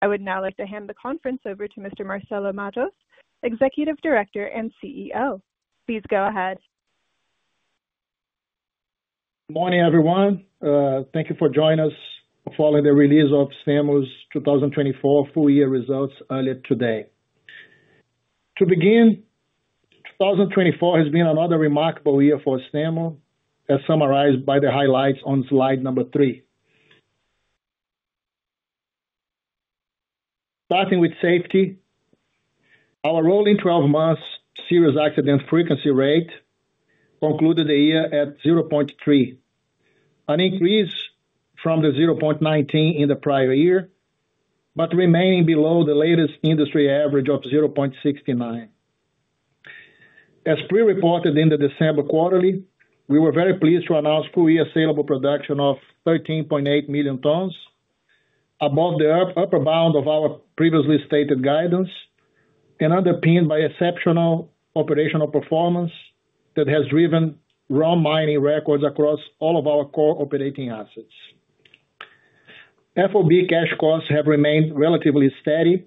I would now like to hand the conference over to Mr. Marcelo Matos, Executive Director and CEO. Please go ahead. Morning, everyone. Thank you for joining us following the release of Stanmore's 2024 Full-Year results earlier today. To begin, 2024 has been another remarkable year for Stanmore, as summarized by the highlights on slide number three. Starting with safety, our rolling 12-month serious accident frequency rate concluded the year at 0.3, an increase from the 0.19 in the prior year, but remaining below the latest industry average of 0.69. As pre-reported in the December quarterly, we were very pleased to announce Full-Year saleable production of 13.8 million, above the upper bound of our previously stated guidance, and underpinned by exceptional operational performance that has driven raw mining records across all of our core operating assets. FOB cash costs have remained relatively steady,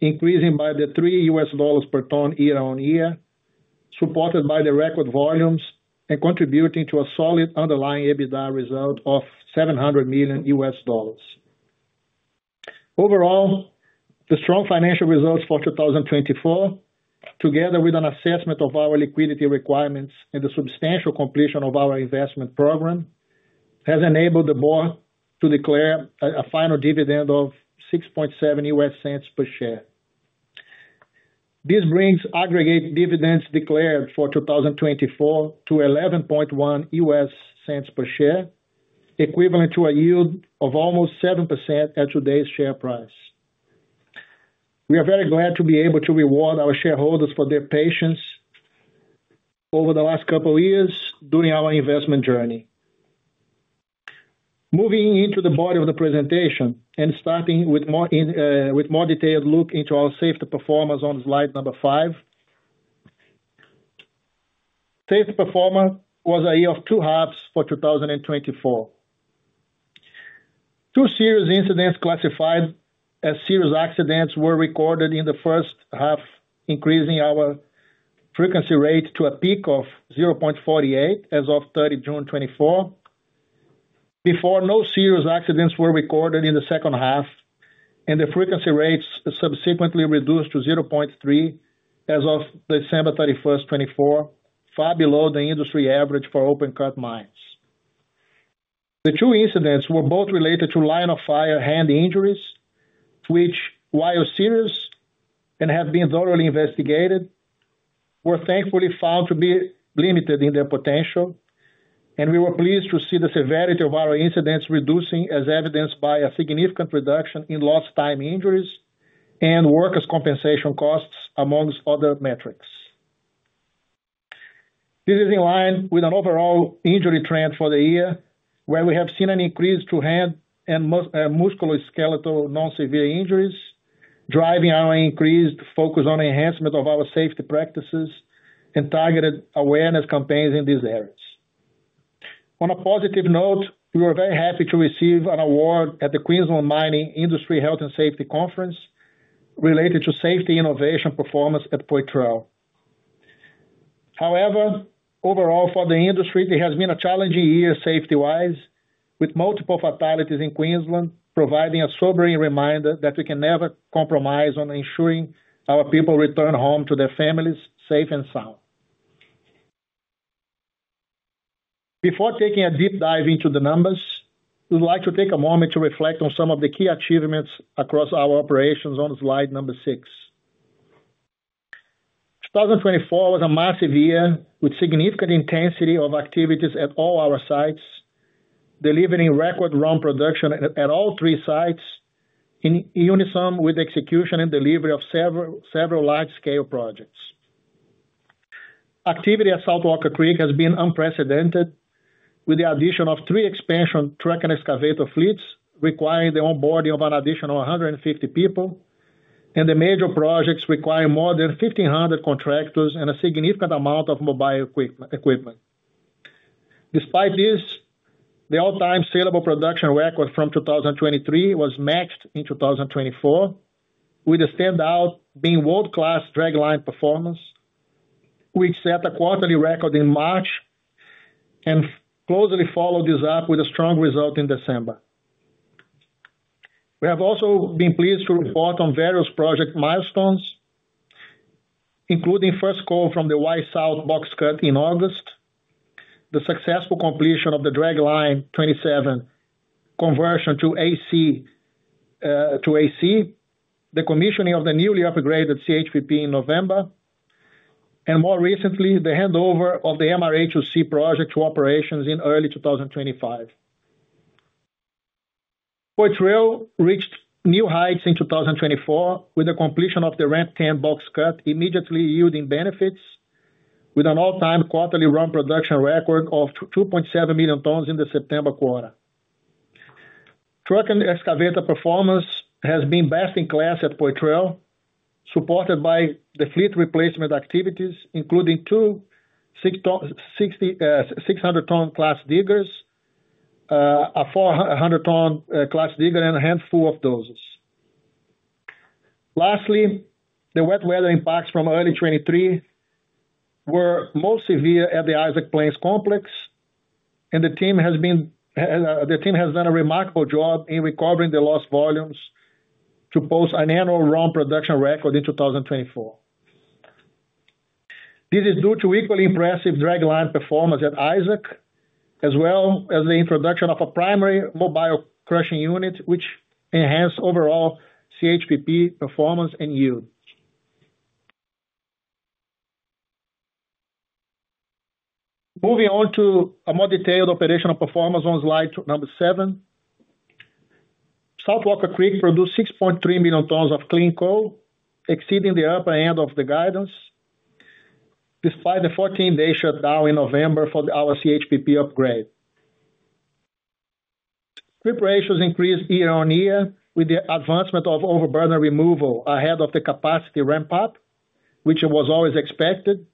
increasing by $3 per ton year-on-year, supported by the record volumes and contributing to a solid underlying EBITDA result of $700 million. Overall, the strong financial results for 2024, together with an assessment of our liquidity requirements and the substantial completion of our investment program, has enabled the board to declare a final dividend of $0.067 per share. This brings aggregate dividends declared for 2024 to $0.111 per share, equivalent to a yield of almost 7% at today's share price. We are very glad to be able to reward our shareholders for their patience over the last couple of years during our investment journey. Moving into the body of the presentation and starting with a more detailed look into our safety performance on slide number five, safety performance was a year of two halves for 2024. Two serious incidents classified as serious accidents were recorded in the first half, increasing our frequency rate to a peak of 0.48 as of 30 June 2024, before no serious accidents were recorded in the second half, and the frequency rates subsequently reduced to 0.3 as of December 31, 2024, far below the industry average for open-cut mines. The two incidents were both related to line-of-fire hand injuries, which, while serious and have been thoroughly investigated, were thankfully found to be limited in their potential, and we were pleased to see the severity of our incidents reducing, as evidenced by a significant reduction in lost-time injuries and workers' compensation costs, among other metrics. This is in line with an overall injury trend for the year, where we have seen an increase to hand and musculoskeletal non-severe injuries, driving our increased focus on enhancement of our safety practices and targeted awareness campaigns in these areas. On a positive note, we were very happy to receive an award at the Queensland Mining Industry Health and Safety Conference related to safety innovation performance at Poitrel. However, overall, for the industry, it has been a challenging year safety-wise, with multiple fatalities in Queensland, providing a sobering reminder that we can never compromise on ensuring our people return home to their families safe and sound. Before taking a deep dive into the numbers, I'd like to take a moment to reflect on some of the key achievements across our operations on slide number six. 2024 was a massive year with significant intensity of activities at all our sites, delivering record raw production at all three sites in unison with the execution and delivery of several large-scale projects. Activity at South Walker Creek has been unprecedented, with the addition of three expansion truck and excavator fleets requiring the onboarding of an additional 150 people, and the major projects requiring more than 1,500 contractors and a significant amount of mobile equipment. Despite this, the all-time saleable production record from 2023 was matched in 2024, with the standout being world-class dragline performance, which set a quarterly record in March and closely followed this up with a strong result in December. We have also been pleased to report on various project milestones, including first coal from the Y South box cut in August, the successful completion of the Dragline 27 conversion to AC, the commissioning of the newly upgraded CHPP in November, and more recently, the handover of the MRA2C project to operations in early 2025. Poitrel reached new heights in 2024 with the completion of the Ramp 10 box cut, immediately yielding benefits, with an all-time quarterly raw production record of 2.7 million tonnes in the September quarter. Truck and excavator performance has been best in class at Poitrel, supported by the fleet replacement activities, including two 600-ton class diggers, a 400-ton class digger, and a handful of dozers. Lastly, the wet weather impacts from early 2023 were most severe at the Isaac Plains Complex, and the team has done a remarkable job in recovering the lost volumes to post an annual raw production record in 2024. This is due to equally impressive dragline performance at Isaac, as well as the introduction of a primary mobile crushing unit, which enhanced overall CHPP performance and yield. Moving on to a more detailed operational performance on slide number seven, South Walker Creek produced 6.3 million tonnes of clean coal, exceeding the upper end of the guidance, despite the 14-day shutdown in November for our CHPP upgrade. Strip ratios increased year-on-year with the advancement of overburden removal ahead of the capacity ramp-up, which was always expected,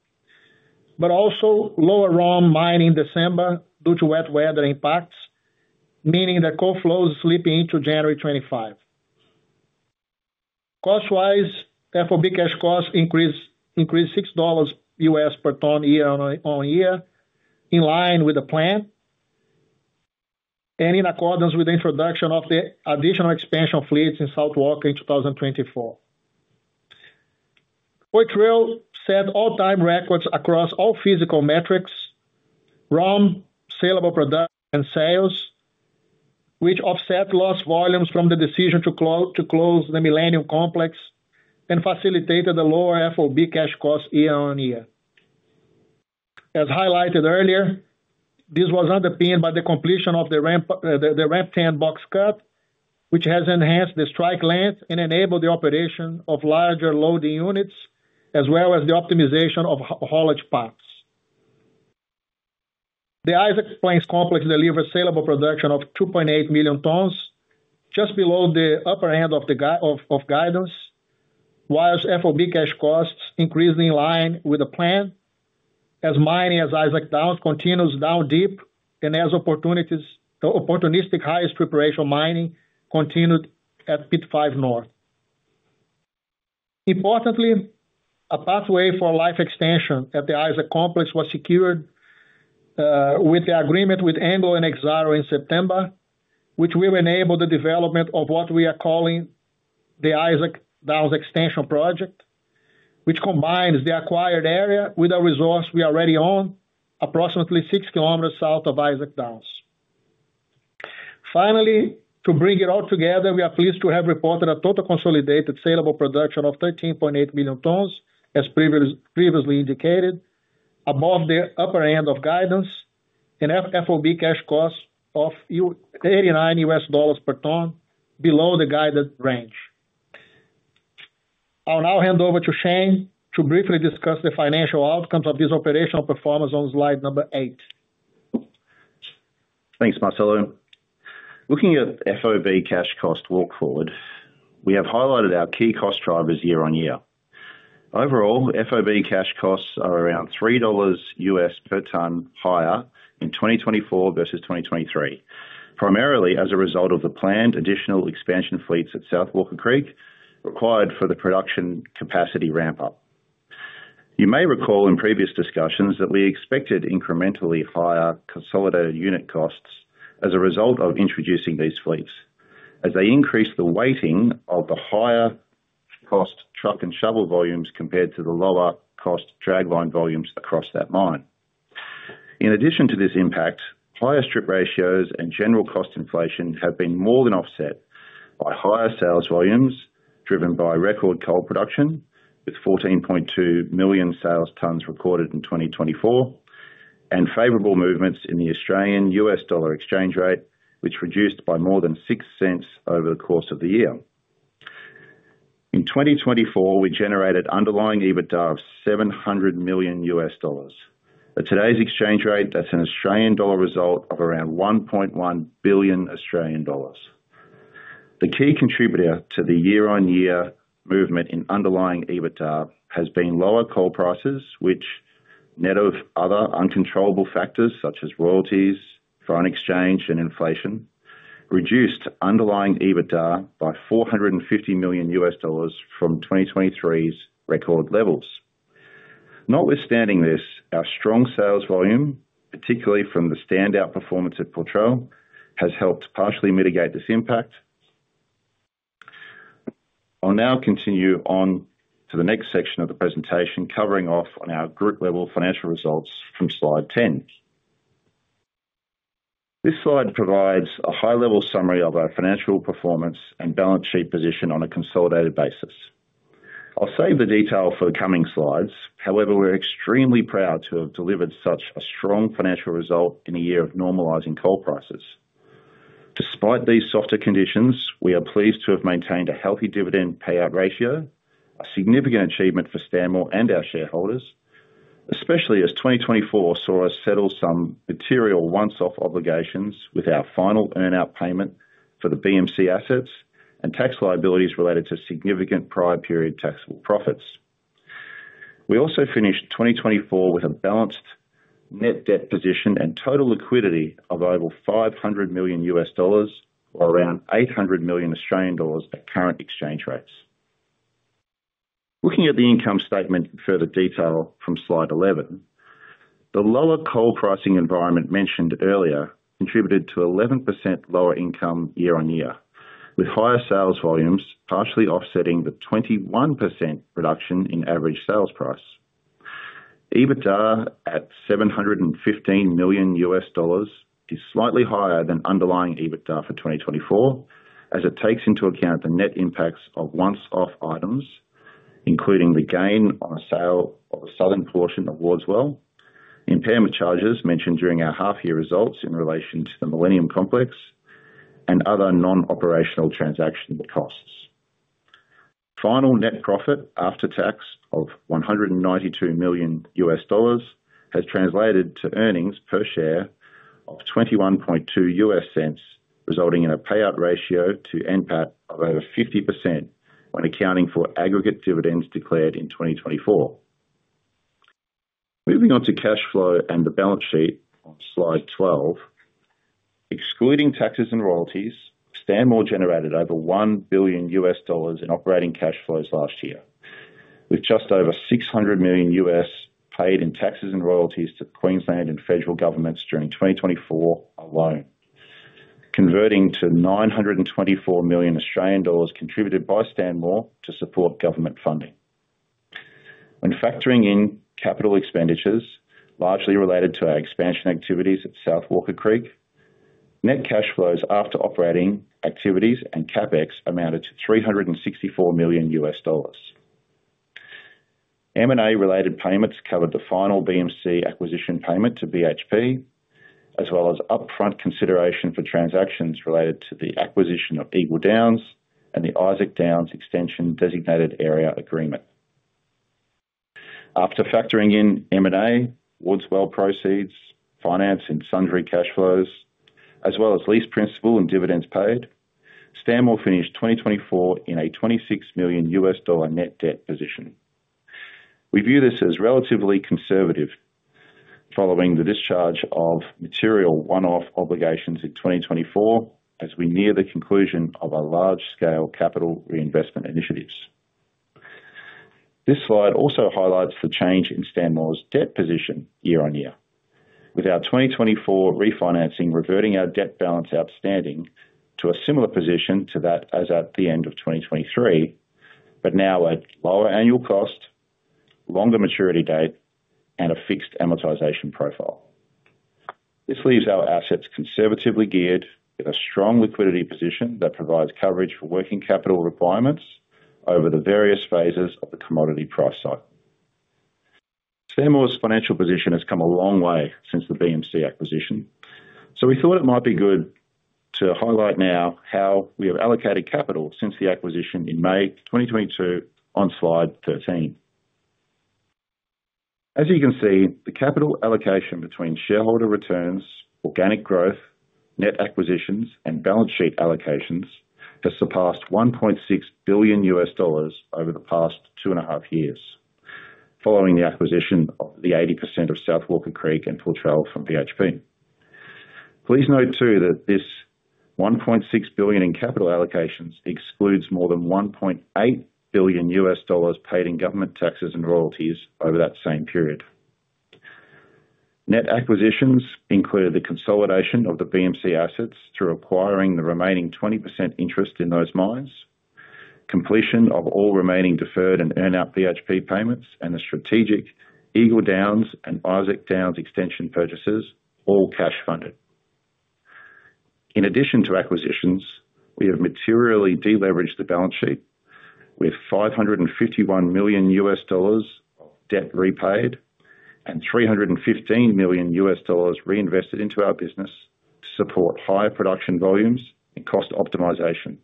but also lower raw mining in December due to wet weather impacts, meaning that coal flows slipped into January 2025. Cost-wise, FOB cash costs increased $6 USD per ton year-on-year, in line with the plan and in accordance with the introduction of the additional expansion fleets in South Walker in 2024. Poitrel set all-time records across all physical metrics, raw saleable production, and sales, which offset lost volumes from the decision to close the Millennium Complex and facilitated the lower FOB cash costs year-on-year. As highlighted earlier, this was underpinned by the completion of the Ramp 10 box cut, which has enhanced the strike length and enabled the operation of larger loading units, as well as the of haulage paths. The Isaac Plains Complex delivers saleable production of 2.8 million tonnes, just below the upper end of guidance, while FOB cash costs increased in line with the plan, as mining at Isaac Downs continues down deep and as opportunistic highest preparation mining continued at Pit 5 North. Importantly, a pathway for life extension at the Isaac Plains Complex was secured with the agreement with Anglo and Exxaro in September, which will enable the development of what we are calling the Isaac Downs Extension Project, which combines the acquired area with a resource we are already on, approximately 6 kilometers south of Isaac Downs. Finally, to bring it all together, we are pleased to have reported a total consolidated saleable production of 13.8 million tonnes, as previously indicated, above the upper end of guidance and FOB cash costs of $89 USD per ton below the guided range. I'll now hand over to Shane to briefly discuss the financial outcomes of this operational performance on slide number eight. Thanks, Marcelo. Looking at FOB cash cost walk forward, we have highlighted our key cost drivers year-on-year. Overall, FOB cash costs are around $3 USD per ton higher in 2024 versus 2023, primarily as a result of the planned additional expansion fleets at South Walker Creek required for the production capacity ramp-up. You may recall in previous discussions that we expected incrementally higher consolidated unit costs as a result of introducing these fleets, as they increased the weighting of the higher-cost truck and shovel volumes compared to the lower-cost dragline volumes across that mine. In addition to this impact, higher strip ratios and general cost inflation have been more than offset by higher sales volumes driven by record coal production, with 14.2 million sales tonnes recorded in 2024, and favorable movements in the Australian US dollar exchange rate, which reduced by more than six cents over the course of the year. In 2024, we generated underlying EBITDA of $700 million, at today's exchange rate that's an Australian dollar result of around 1.1 billion Australian dollars. The key contributor to the year-on-year movement in underlying EBITDA has been lower coal prices, which, net of other uncontrollable factors such as royalties, foreign exchange, and inflation, reduced underlying EBITDA by $450 million from 2023's record levels. Notwithstanding this, our strong sales volume, particularly from the standout performance at Poitrel, has helped partially mitigate this impact. I'll now continue on to the next section of the presentation, covering off on our group-level financial results from slide 10. This slide provides a high-level summary of our financial performance and balance sheet position on a consolidated basis. I'll save the detail for the coming slides. However, we're extremely proud to have delivered such a strong financial result in a year of normalizing coal prices. Despite these softer conditions, we are pleased to have maintained a healthy dividend payout ratio, a significant achievement for Stanmore and our shareholders, especially as 2024 saw us settle some material one-off obligations with our final earnout payment for the BMC assets and tax liabilities related to significant prior-period taxable profits. We also finished 2024 with a balanced net debt position and total liquidity of over $500 million USD, or around 800 million Australian dollars at current exchange rates. Looking at the income statement in further detail from slide 11, the lower coal pricing environment mentioned earlier contributed to 11% lower income year-on-year, with higher sales volumes partially offsetting the 21% reduction in average sales price. EBITDA at $715 million is slightly higher than underlying EBITDA for 2024, as it takes into account the net impacts of once-off items, including the gain on a sale of a southern portion of Wards Well, impairment charges mentioned during our half-year results in relation to the Millennium Complex, and other non-operational transaction costs. Final net profit after tax of $192 million has translated to earnings per share of $0.212, resulting in a payout ratio to NPAT of over 50% when accounting for aggregate dividends declared in 2024. Moving on to cash flow and the balance sheet on slide 12, excluding taxes and royalties, Stanmore generated over $1 billion in operating cash flows last year, with just over $600 million paid in taxes and royalties to Queensland and federal governments during 2024 alone, converting to 924 million Australian dollars contributed by Stanmore to support government funding. When factoring in capital expenditures, largely related to our expansion activities at South Walker Creek, net cash flows after operating activities and CapEx amounted to $364 million. M&A-related payments covered the final BMC acquisition payment to BHP, as well as upfront consideration for transactions related to the acquisition of Eagle Downs and the Isaac Downs Extension designated area agreement. After factoring in M&A, Wards Well proceeds, finance, and sundry cash flows, as well as lease principal and dividends paid, Stanmore finished 2024 in a $26 million USD net debt position. We view this as relatively conservative, following the discharge of material one-off obligations in 2024, as we near the conclusion of our large-scale capital reinvestment initiatives. This slide also highlights the change in Stanmore's debt position year-on-year, with our 2024 refinancing reverting our debt balance outstanding to a similar position to that as at the end of 2023, but now at lower annual cost, longer maturity date, and a fixed amortisation profile. This leaves our assets conservatively geared, with a strong liquidity position that provides coverage for working capital requirements over the various phases of the commodity price cycle. Stanmore's financial position has come a long way since the BMC acquisition, so we thought it might be good to highlight now how we have allocated capital since the acquisition in May 2022 on slide 13. As you can see, the capital allocation between shareholder returns, organic growth, net acquisitions, and balance sheet allocations has surpassed $1.6 billion over the past two and a half years, following the acquisition of the 80% of South Walker Creek and Poitrel from BHP. Please note too that this $1.6 billion in capital allocations excludes more than $1.8 billion paid in government taxes and royalties over that same period. Net acquisitions included the consolidation of the BMC assets through acquiring the remaining 20% interest in those mines, completion of all remaining deferred and earnout BHP payments, and the strategic Eagle Downs and Isaac Downs Extension purchases, all cash funded. In addition to acquisitions, we have materially deleveraged the balance sheet, with $551 million of debt repaid and $315 million reinvested into our business to support higher production volumes and cost optimisation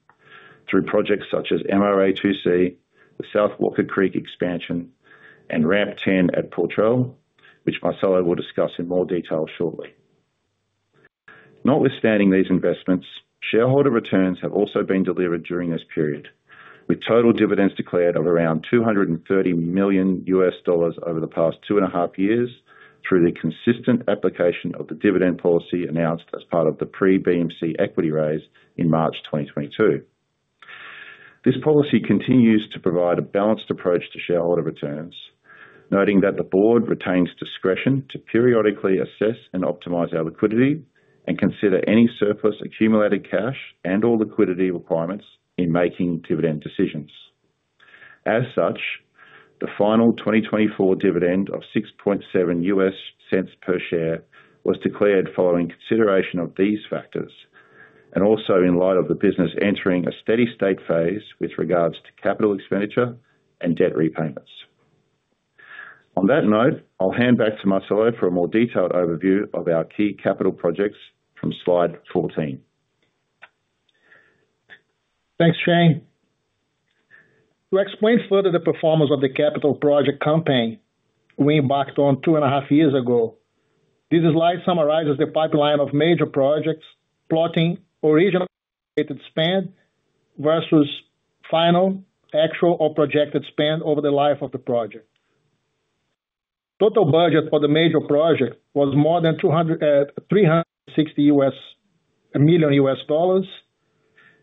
through projects such as MRA2C, the South Walker Creek expansion, and Ramp 10 at Poitrel, which Marcelo will discuss in more detail shortly. Notwithstanding these investments, shareholder returns have also been delivered during this period, with total dividends declared of around $230 million over the past two and a half years through the consistent application of the dividend policy announced as part of the pre-BMC equity raise in March 2022. This policy continues to provide a balanced approach to shareholder returns, noting that the board retains discretion to periodically assess and optimize our liquidity and consider any surplus accumulated cash and/or liquidity requirements in making dividend decisions. As such, the final 2024 dividend of 6.7 cents per share was declared following consideration of these factors and also in light of the business entering a steady-state phase with regards to capital expenditure and debt repayments. On that note, I'll hand back to Marcelo for a more detailed overview of our key capital projects from slide 14. Thanks, Shane. To explain further the performance of the capital project campaign we embarked on two and a half years ago, this slide summarizes the pipeline of major projects, plotting original expected spend versus final actual or projected spend over the life of the project. Total budget for the major project was more than $360 million USD,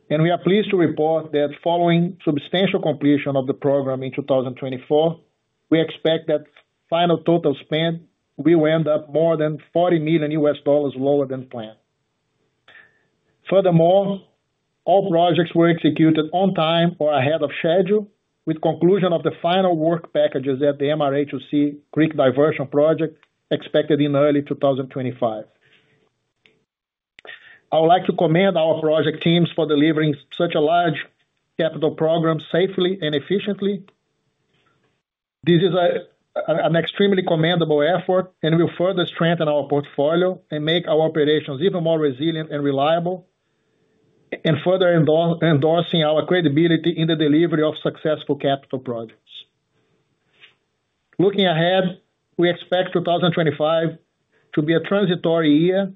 and we are pleased to report that following substantial completion of the program in 2024, we expect that final total spend will end up more than $40 million USD lower than planned. Furthermore, all projects were executed on time or ahead of schedule, with conclusion of the final work packages at the MRA2C Creek Diversion Project expected in early 2025. I would like to commend our project teams for delivering such a large capital program safely and efficiently. This is an extremely commendable effort and will further strengthen our portfolio and make our operations even more resilient and reliable, and further endorsing our credibility in the delivery of successful capital projects. Looking ahead, we expect 2025 to be a transitory year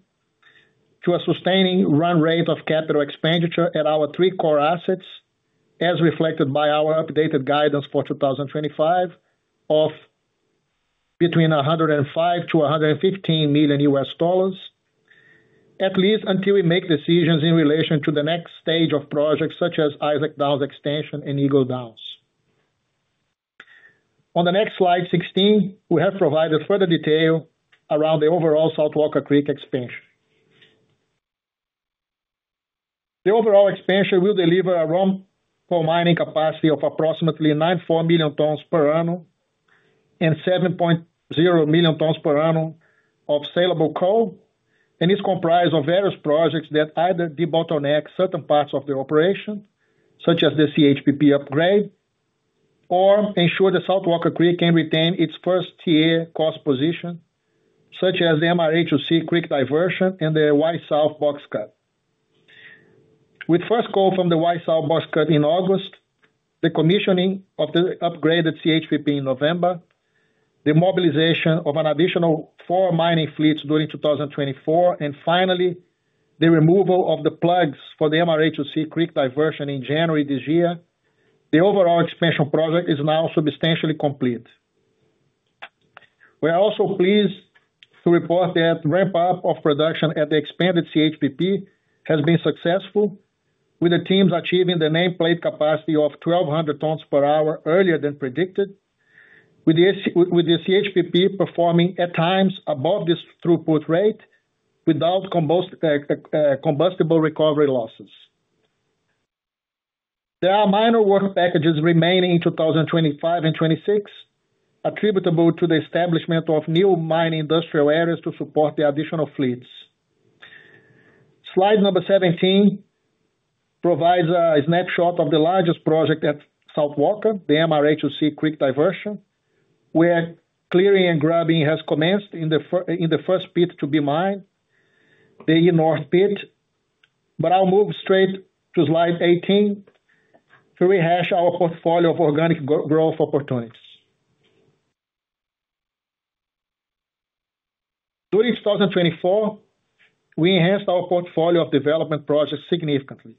to a sustaining run rate of capital expenditure at our three core assets, as reflected by our updated guidance for 2025 of between $105 to 115 million, at least until we make decisions in relation to the next stage of projects such as Isaac Downs Extension and Eagle Downs. On the next slide 16, we have provided further detail around the overall South Walker Creek expansion. The overall expansion will deliver a raw coal mining capacity of approximately 94 million tonnes per annum and 7.0 million tonnes per annum of saleable coal, and is comprised of various projects that either de-bottleneck certain parts of the operation, such as the CHPP upgrade, or ensure the South Walker Creek can retain its first-tier cost position, such as the MRA2C Creek Diversion and the Y South Box Cut. With first coal from the Y South Box Cut in August, the commissioning of the upgraded CHPP in November, the mobilisation of an additional four mining fleets during 2024, and finally, the removal of the plugs for the MRA2C Creek Diversion in January this year, the overall expansion project is now substantially complete. We are also pleased to report that the ramp-up of production at the expanded CHPP has been successful, with the teams achieving the nameplate capacity of 1,200 tonnes per hour earlier than predicted, with the CHPP performing at times above this throughput rate without combustible recovery losses. There are minor work packages remaining in 2025 and 2026, attributable to the establishment of new mining industrial areas to support the additional fleets. Slide number 17 provides a snapshot of the largest project at South Walker Creek, the MRA2C Creek Diversion, where clearing and grubbing has commenced in the first pit to be mined, the inner pits, but I'll move straight to slide 18 to rehash our portfolio of organic growth opportunities. During 2024, we enhanced our portfolio of development projects significantly,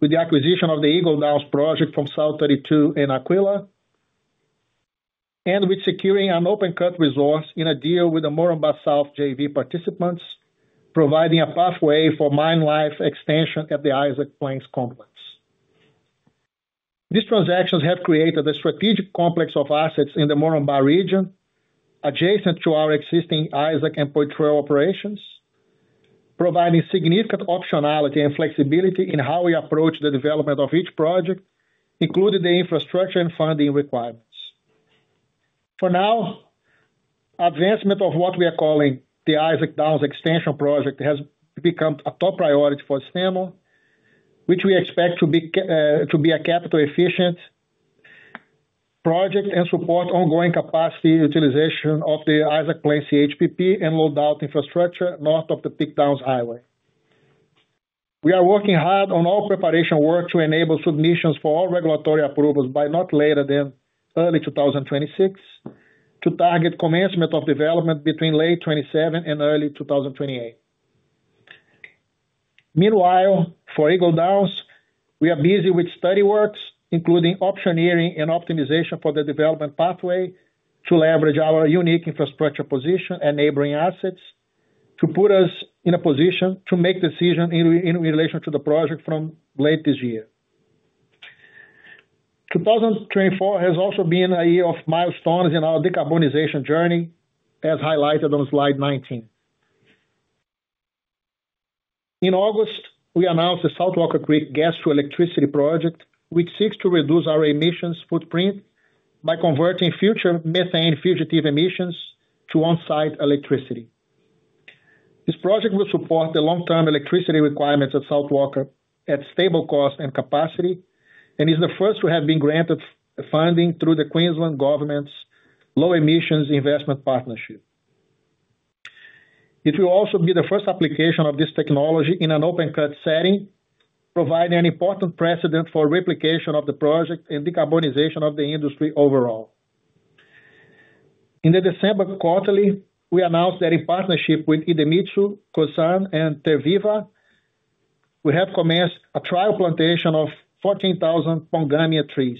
with the acquisition of the Eagle Downs project from South32 and Aquila, and with securing an open-cut resource in a deal with the Moranbah South JV participants, providing a pathway for mine life extension at the Isaac Plains Complex. These transactions have created a strategic complex of assets in the Moranbah region, adjacent to our existing Isaac and Poitrel operations, providing significant optionality and flexibility in how we approach the development of each project, including the infrastructure and funding requirements. For now, advancement of what we are calling the Isaac Downs Extension Project has become a top priority for Stanmore, which we expect to be a capital-efficient project and support ongoing capacity of the Isaac Plains CHPP and load-out infrastructure north of the Peak Downs Highway. We are working hard on all preparation work to enable submissions for all regulatory approvals by not later than early 2026, to target commencement of development between late 2027 and early 2028. Meanwhile, for Eagle Downs, we are busy with study works, including optioneering and optimisation for the development pathway to leverage our unique infrastructure position and neighboring assets, to put us in a position to make decisions in relation to the project from late this year. 2024 has also been a year of milestones in our journey, as highlighted on slide 19. In August, we announced the South Walker Creek Gas to Electricity Project, which seeks to reduce our emissions footprint by converting future methane fugitive emissions to on-site electricity. This project will support the long-term electricity requirements of South Walker Creek at stable cost and capacity and is the first to have been granted funding through the Queensland government's Low Emissions Investment Partnerships. It will also be the first application of this technology in an open-cut setting, providing an important precedent for replication of the project and decarbonisation of the industry overall. In the December quarterly, we announced that in partnership with Idemitsu Kosan, and Terviva, we have commenced a trial plantation of 14,000 Pongamia trees,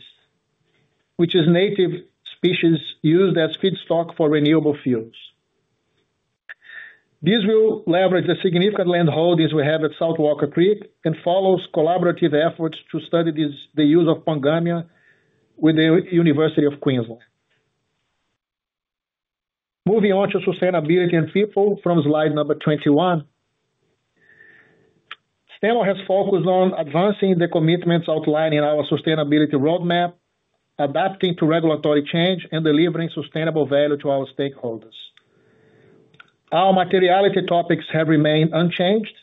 which is a native species used as feedstock for renewable fuels. This will leverage the significant land holdings we have at South Walker Creek and follows collaborative efforts to study the use of Pongamia with the University of Queensland. Moving on to sustainability and people from slide number 21, Stanmore has focused on advancing the commitments outlined in our sustainability roadmap, adapting to regulatory change, and delivering sustainable value to our stakeholders. Our materiality topics have remained unchanged,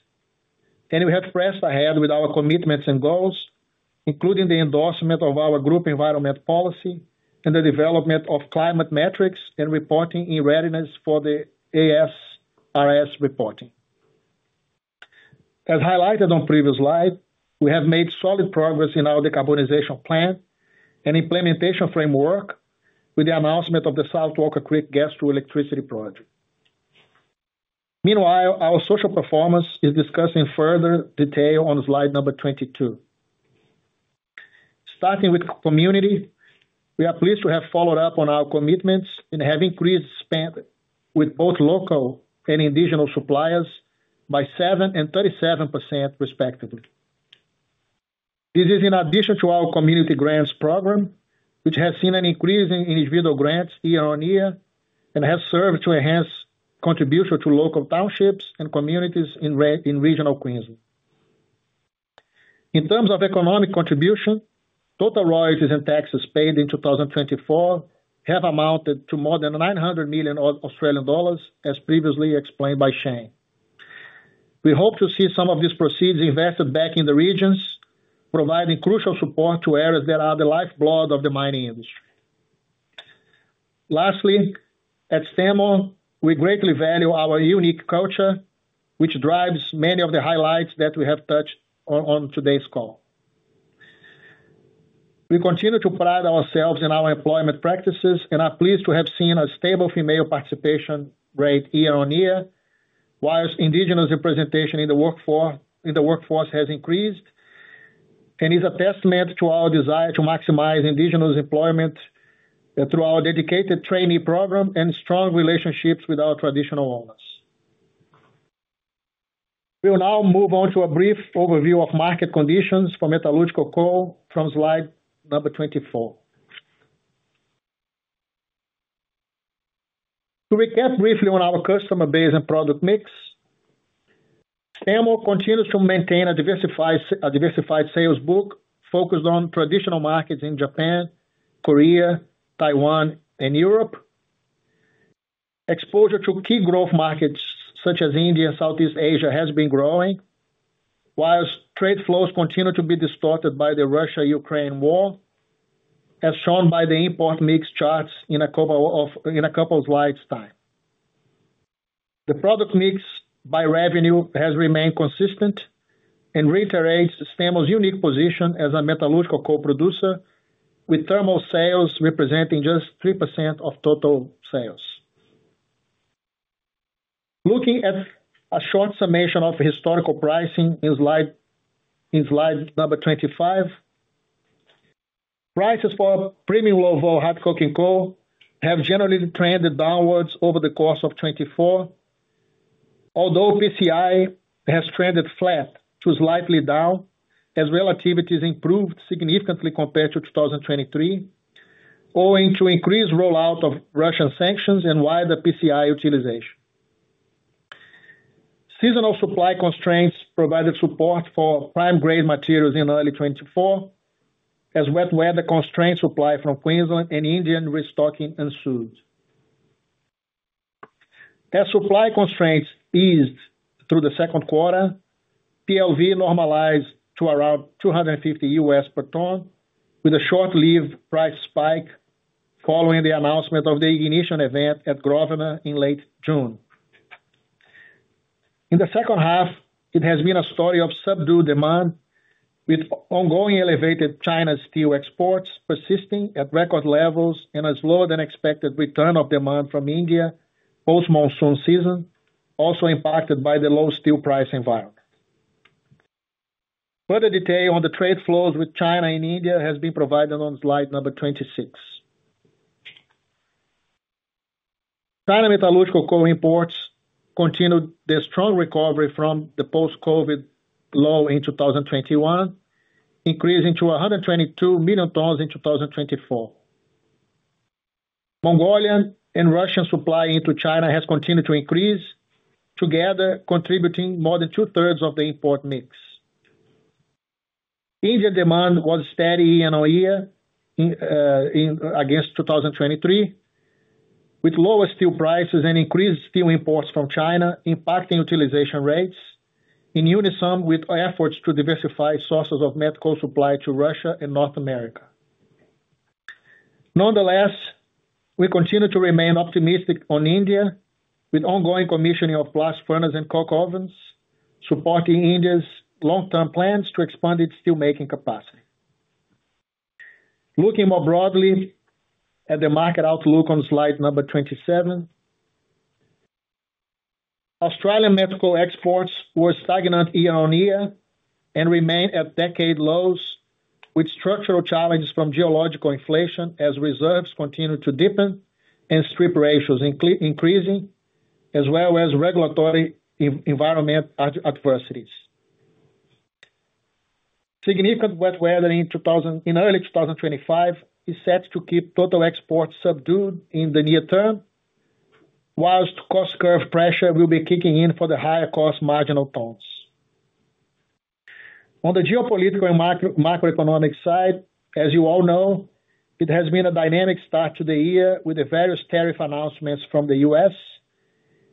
and we have pressed ahead with our commitments and goals, including the endorsement of our group environment policy and the development of climate metrics and reporting in readiness for the ASRS reporting. As highlighted on previous slide, we have made solid progress in our decarbonisation plan and implementation framework with the announcement of the South Walker Creek Gas to Electricity Project. Meanwhile, our social performance is discussed in further detail on slide number 22. Starting with community, we are pleased to have followed up on our commitments and have increased spend with both local and indigenous suppliers by 7% and 37%, respectively. This is in addition to our community grants program, which has seen an increase in individual grants year on year and has served to enhance contribution to local townships and communities in regional Queensland. In terms of economic contribution, total royalties and taxes paid in 2024 have amounted to more than 900 million Australian dollars, as previously explained by Shane. We hope to see some of these proceeds invested back in the regions, providing crucial support to areas that are the lifeblood of the mining industry. Lastly, at Stanmore, we greatly value our unique culture, which drives many of the highlights that we have touched on today's call. We continue to pride ourselves in our employment practices and are pleased to have seen a stable female participation rate year on year, while indigenous representation in the workforce has increased and is a testament to our desire to maximize indigenous employment through our dedicated trainee program and strong relationships with our traditional owners. We will now move on to a brief overview of market conditions for metallurgical coal from slide number 24. To recap briefly on our customer base and product mix, Stanmore continues to maintain a diversified sales book focused on traditional markets in Japan, Korea, Taiwan, and Europe. Exposure to key growth markets such as India and Southeast Asia has been growing, while trade flows continue to be distorted by the Russia-Ukraine war, as shown by the import mix charts in a couple of slides' time. The product mix by revenue has remained consistent and reiterates Stanmore's unique position as a metallurgical coal producer, with thermal sales representing just 3% of total sales. Looking at a short summation of historical pricing in slide number 25, prices for premium low-vol hard-coking coal have generally trended downwards over the course of 2024, although PCI has trended flat to slightly down as relativities improved significantly compared to 2023, owing to increased rollout of Russian sanctions and wider PCI utilisation. Seasonal supply constraints provided support for prime-grade materials in early 2024, as wet weather constrained supply from Queensland and Indian restocking ensued. As supply constraints eased through the Q2, PLV normalized to around $250 per ton, with a short-lived price spike following the announcement of the ignition event at Grosvenor in late June. In the second half, it has been a story of subdued demand, with ongoing elevated China steel exports persisting at record levels and a slower-than-expected return of demand from India post-monsoon season, also impacted by the low steel price environment. Further detail on the trade flows with China and India has been provided on slide number 26. China metallurgical coal imports continued their strong recovery from the post-COVID low in 2021, increasing to 122 million tonnes in 2024. Mongolian and Russian supply into China has continued to increase, together contributing more than two-thirds of the import mix. India demand was steady year on year against 2023, with lower steel prices and increased steel imports from China impacting utilisation rates, in unison with efforts to diversify sources of metallurgical coal supply to Russia and North America. Nonetheless, we continue to remain optimistic on India, with ongoing commissioning of blast furnaces and coke ovens, supporting India's long-term plans to expand its steelmaking capacity. Looking more broadly at the market outlook on slide number 27, Australian met coal exports were stagnant year on year and remain at decade lows, with structural challenges from geological inflation as reserves continue to dip and strip ratios increasing, as well as regulatory and environmental adversities. Significant wet weather in early 2025 is set to keep total exports subdued in the near term, while cost curve pressure will be kicking in for the higher-cost marginal tonnes. On the geopolitical and macroeconomic side, as you all know, it has been a dynamic start to the year with the various tariff announcements from the U.S.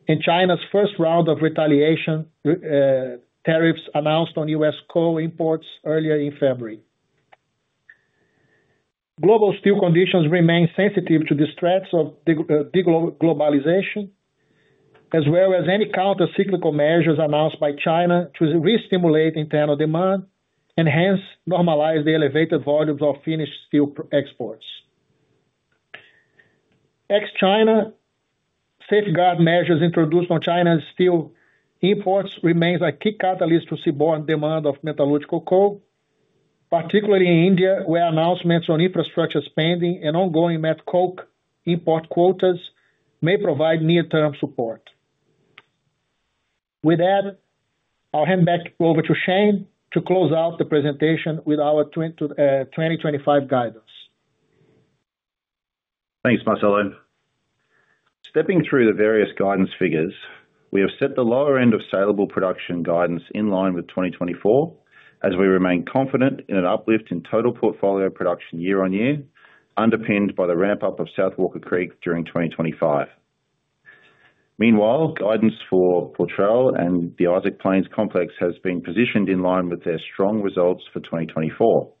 and China's first round of retaliation tariffs announced on U.S. coal imports earlier in February. Global steel conditions remain sensitive to the threats of deglobalization, as well as any countercyclical measures announced by China to restimulate internal demand and hence normalize the elevated volumes of finished steel exports. Ex-China safeguard measures introduced on China's steel imports remain a key catalyst to seaborne demand of metallurgical coal, particularly in India, where announcements on infrastructure spending and ongoing met coke import quotas may provide near-term support. With that, I'll hand back over to Shane to close out the presentation with our 2025 guidance. Thanks, Marcelo. Stepping through the various guidance figures, we have set the lower end of saleable production guidance in line with 2024, as we remain confident in an uplift in total portfolio production year on year, underpinned by the ramp-up of South Walker Creek during 2025. Meanwhile, guidance for Poitrel and the Isaac Plains Complex has been positioned in line with their strong results for 2024.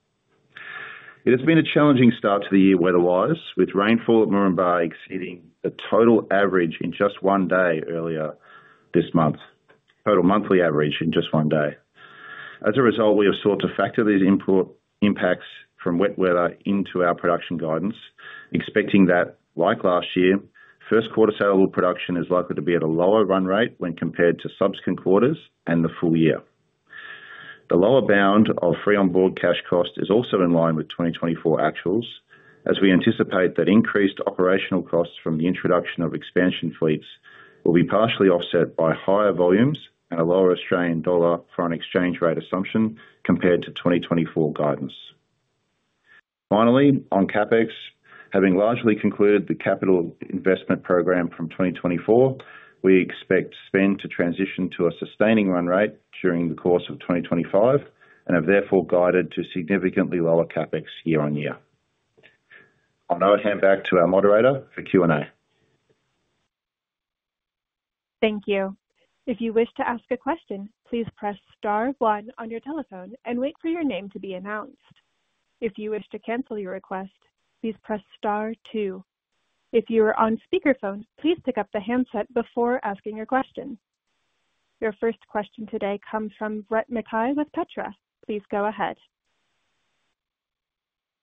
It has been a challenging start to the year weather-wise, with rainfall at Moranbah exceeding the total average in just one day earlier this month. As a result, we have sought to factor these impacts from wet weather into our production guidance, expecting that, like last year, Q1 saleable production is likely to be at a lower run rate when compared to subsequent quarters and the full year. The lower bound of free-on-board cash cost is also in line with 2024 actuals, as we anticipate that increased operational costs from the introduction of expansion fleets will be partially offset by higher volumes and a lower Australian dollar for an exchange rate assumption compared to 2024 guidance. Finally, on CapEx, having largely concluded the capital investment program from 2024, we expect spend to transition to a sustaining run rate during the course of 2025 and have therefore guided to significantly lower CapEx year on year. I'll now hand back to our moderator for Q&A. Thank you. If you wish to ask a question, please press star one on your telephone and wait for your name to be announced. If you wish to cancel your request, please press star two. If you are on speakerphone, please pick up the handset before asking your question. Your first question today comes from Brett McKay with Petra. Please go ahead.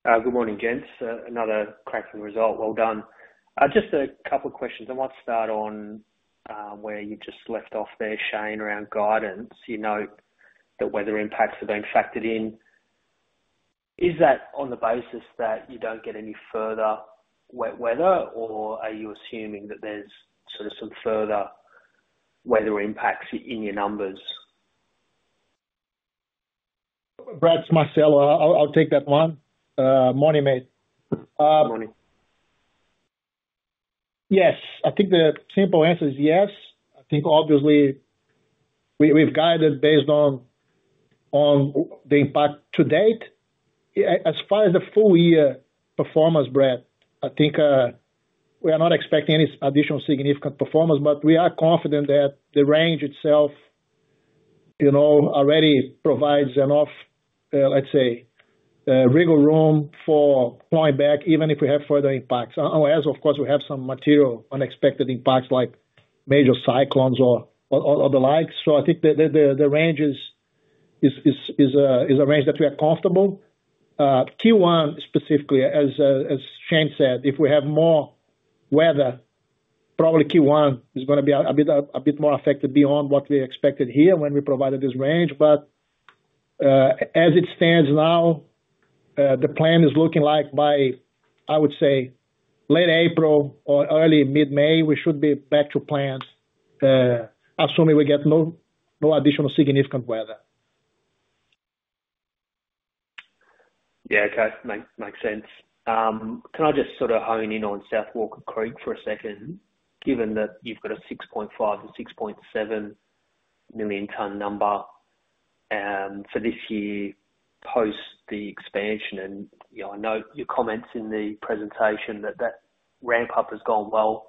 Good morning, Gents. Another cracking result. Well done. Just a couple of questions. I might start on where you just left off there, Shane, around guidance. You note that weather impacts are being factored in. Is that on the basis that you don't get any further wet weather, or are you assuming that there's sort of some further weather impacts in your numbers? Brett, Marcelo, I'll take that one. Yes. I think the simple answer is yes. I think, obviously, we've guided based on the impact to date. As far as the Full-Year performance, Brett, I think we are not expecting any additional significant impacts, but we are confident that the range itself already provides enough, let's say, wriggle room for pulling back even if we have further impacts unless, of course, we have some material unexpected impacts like major cyclones or the like. So I think the range is a range that we are comfortable. Q1, specifically, as Shane said, if we have more weather, probably Q1 is going to be a bit more affected beyond what we expected here when we provided this range. But as it stands now, the plan is looking like by, I would say, late April or early mid-May, we should be back to plan, assuming we get no additional significant weather. Makes sense. Can I just sort of hone in on South Walker Creek for a second, given that you've got a 6.5-6.7 million-ton number for this year post the expansion? And I note your comments in the presentation that that ramp-up has gone well.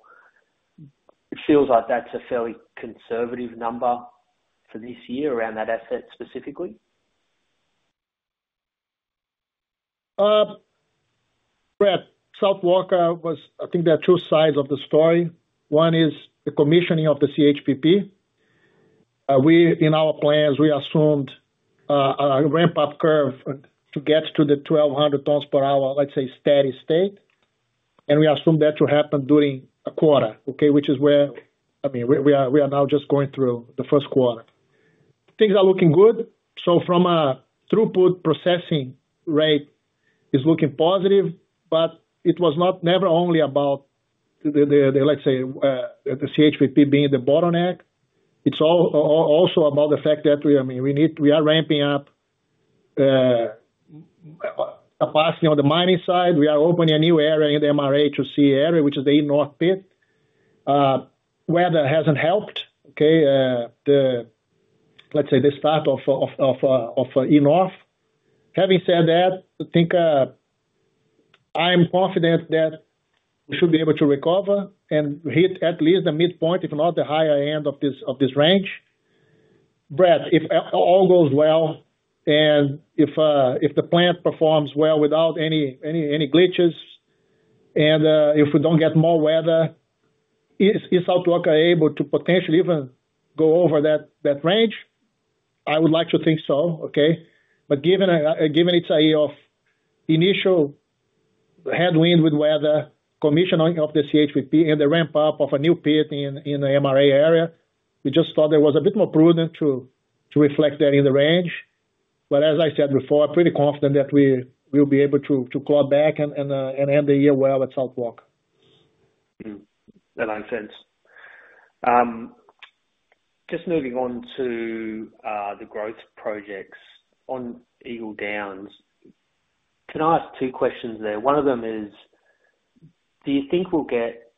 It feels like that's a fairly conservative number for this year around that asset specifically. Brett, South Walker was, I think, there are two sides of the story. One is the commissioning of the CHPP. In our plans, we assumed a ramp-up curve to get to the 1,200 tonnes per hour, let's say, steady state. And we assumed that to happen during a quarter, okay, which is where, I mean, we are now just going through the Q1. Things are looking good. So from a throughput processing rate, it's looking positive, but it was never only about the, let's say, the CHPP being the bottleneck. It's also about the fact that, I mean, we are ramping up capacity on the mining side. We are opening a new area in the MRA2C area, which is the E-North pit. Weather hasn't helped, okay, let's say, the start of E-North. Having said that, I think I'm confident that we should be able to recover and hit at least the midpoint, if not the higher end of this range. Brett, if all goes well and if the plant performs well without any glitches and if we don't get more weather, is South Walker able to potentially even go over that range? I would like to think so, okay. But given its initial headwind with weather, commissioning of the CHPP, and the ramp-up of a new pit in the MRA area, we just thought it was a bit more prudent to reflect that in the range. But as I said before, I'm pretty confident that we will be able to claw back and end the year well at South Walker. That makes sense. Just moving on to the growth projects on Eagle Downs, can I ask two questions there? One of them is, do you think we'll get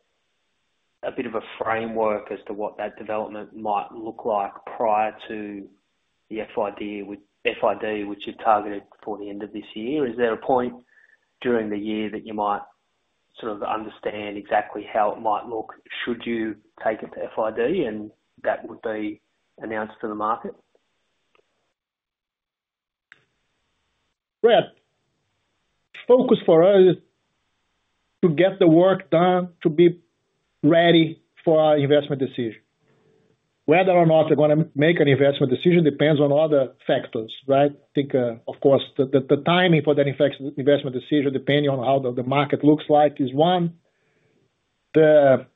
a bit of a framework as to what that development might look like prior to the FID, which you've targeted for the end of this year? Is there a point during the year that you might sort of understand exactly how it might look should you take it to FID and that would be announced to the market? Brett, focus for us to get the work done to be ready for our investment decision. Whether or not we're going to make an investment decision depends on other factors, right? I think, of course, the timing for that investment decision, depending on how the market looks like, is one. Having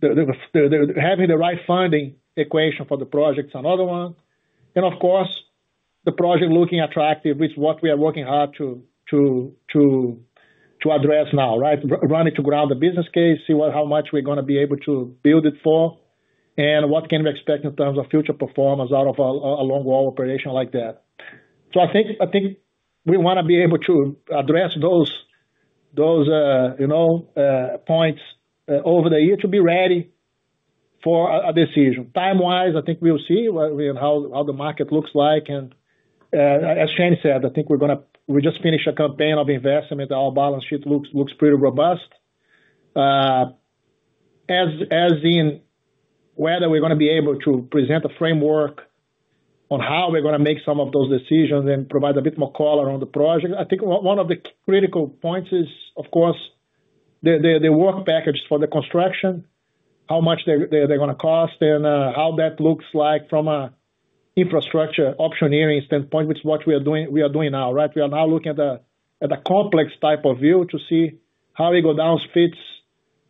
the right funding equation for the project is another one, and of course, the project looking attractive, which is what we are working hard to address now, right? Running to ground the business case, see how much we're going to be able to build it for, and what can we expect in terms of future performance out of a long-haul operation like that. So I think we want to be able to address those points over the year to be ready for a decision. Time-wise, I think we'll see how the market looks like. And as Shane said, I think we're going to just finish a campaign of investment. Our balance sheet looks pretty robust. As in whether we're going to be able to present a framework on how we're going to make some of those decisions and provide a bit more color on the project. I think one of the critical points is, of course, the work packages for the construction, how much they're going to cost, and how that looks like from an infrastructure optioneering standpoint, which is what we are doing now, right? We are now looking at a complex type of view to see how Eagle Downs fits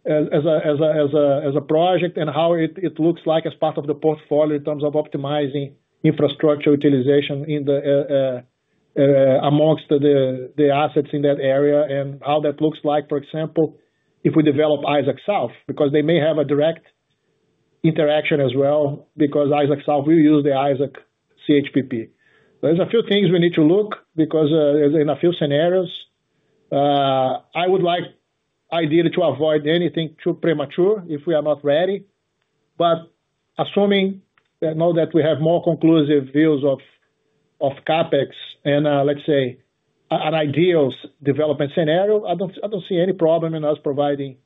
as a project and how it looks like as part of the portfolio in terms of optimizing infrastructure utilisation amongst the assets in that area and how that looks like, for example, if we develop Isaac South, because they may have a direct interaction as well because Isaac South will use the Isaac CHPP. There's a few things we need to look because there's a few scenarios. I would like ideally to avoid anything too premature if we are not ready. But assuming that we have more conclusive views of CapEx and, let's say, an ideal development scenario, I don't see any problem in us providing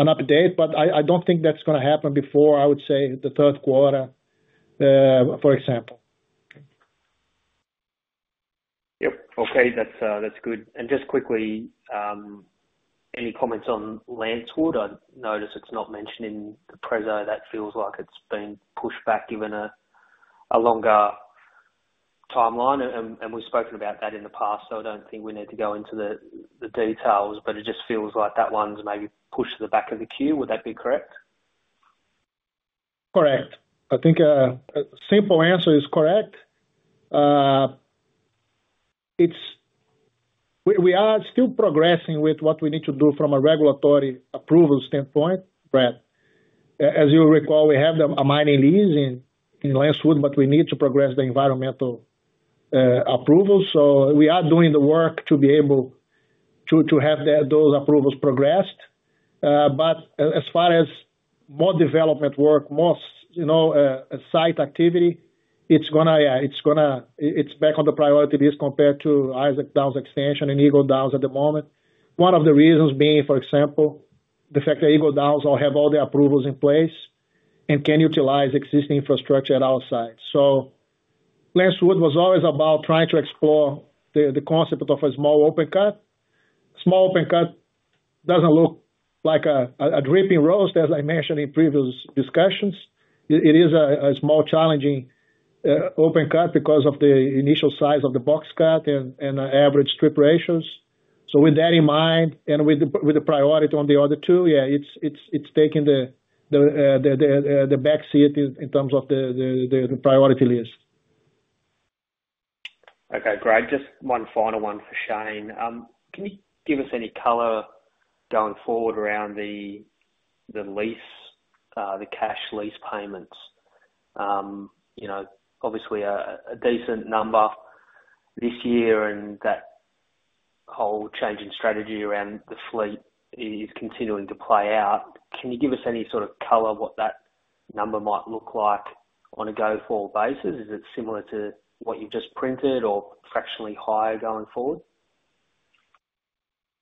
an update, but I don't think that's going to happen before, I would say, the Q3, for example. Yep. Okay. That's good. And just quickly, any comments on Lancewood? I noticed it's not mentioned in the preso. That feels like it's been pushed back given a longer timeline. And we've spoken about that in the past, so I don't think we need to go into the details, but it just feels like that one's maybe pushed to the back of the queue. Would that be correct? Correct. I think a simple answer is correct. We are still progressing with what we need to do from a regulatory approval standpoint, Brett? As you recall, we have a mining lease in Lancewood, but we need to progress the environmental approvals, so we are doing the work to be able to have those approvals progressed, but as far as more development work, more site activity, it's going to, it's back on the priority list compared to Isaac Downs Extension and Eagle Downs at the moment. One of the reasons being, for example, the fact that Eagle Downs will have all the approvals in place and can utilize existing infrastructure at our site, so Lancewood was always about trying to explore the concept of a small open cut. Small open cut doesn't look like a dripping road, as I mentioned in previous discussions. It is a small, challenging open cut because of the initial size of the box cut and average strip ratios. So with that in mind and with the priority on the other two, it's taking the back seat in terms of the priority list. Okay, Greg, just one final one for Shane. Can you give us any color going forward around the cash lease payments? Obviously, a decent number this year and that whole change in strategy around the fleet is continuing to play out. Can you give us any sort of color what that number might look like on a go-forward basis? Is it similar to what you've just printed or fractionally higher going forward?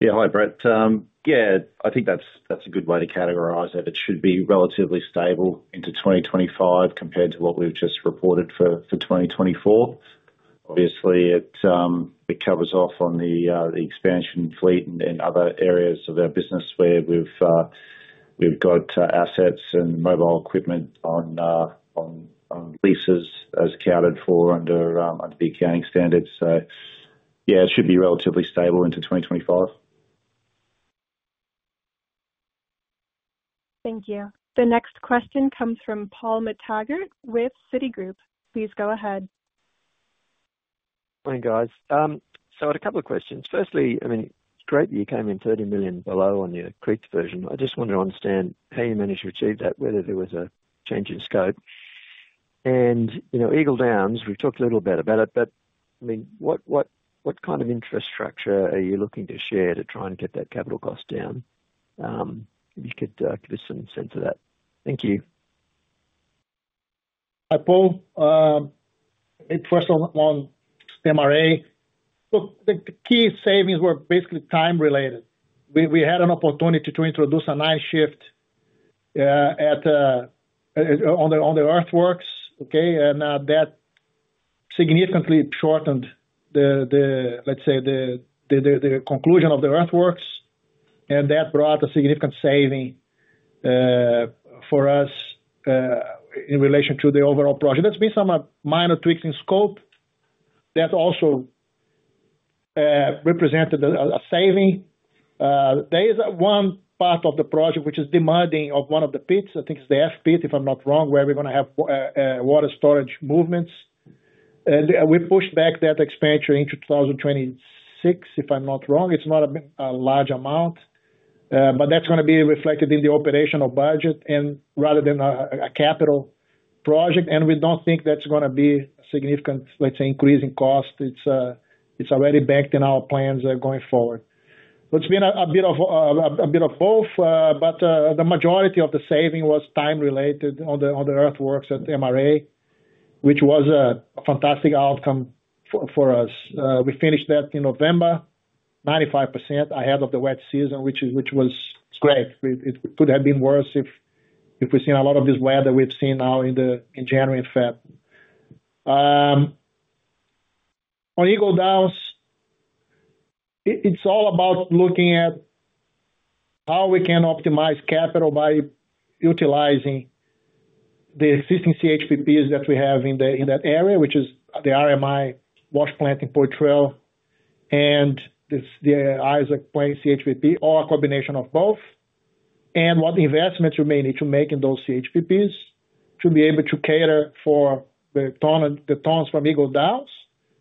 Hi, Brett. I think that's a good way to categorize it. It should be relatively stable into 2025 compared to what we've just reported for 2024. Obviously, it covers off on the expansion fleet and other areas of our business where we've got assets and mobile equipment on leases as counted for under the accounting standards. So, it should be relatively stable into 2025. Thank you. The next question comes from Paul McTaggart with Citi. Please go ahead. Morning, guys. So I had a couple of questions. Firstly, I mean, it's great that you came in 30 million below on your MRA2C. I just wanted to understand how you managed to achieve that, whether there was a change in scope. And Eagle Downs, we've talked a little bit about it, but I mean, what kind of infrastructure are you looking to share to try and get that capital cost down? If you could give us some sense of that. Thank you. Hi, Paul. It's first on MRA. Look, the key savings were basically time-related. We had an opportunity to introduce a night shift on the earthworks, okay, and that significantly shortened, let's say, the conclusion of the earthworks, and that brought a significant saving for us in relation to the overall project. There's been some minor tweaks in scope that also represented a saving. There is one part of the project which is demanding of one of the pits. I think it's the F pit, if I'm not wrong, where we're going to have water storage movements, and we pushed back that expansion into 2026, if I'm not wrong. It's not a large amount, but that's going to be reflected in the operational budget and rather than a capital project, and we don't think that's going to be a significant, let's say, increase in cost. It's already banked in our plans going forward. It's been a bit of both, but the majority of the saving was time-related on the earthworks at MRA, which was a fantastic outcome for us. We finished that in November, 95% ahead of the wet season, which was great. It could have been worse if we'd seen a lot of this weather we've seen now in January, in fact. On Eagle Downs, it's all about looking at how we can optimize capital by utilizing the existing CHPPs that we have in that area, which is the RMI Wash Plant and Poitrel and the Isaac Plains CHPP or a combination of both. What investments we may need to make in those CHPPs to be able to cater for the tonnes from Eagle Downs,